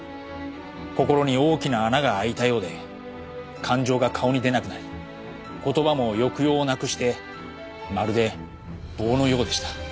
心に大きな穴が開いたようで感情が顔に出なくなり言葉も抑揚をなくしてまるで棒のようでした。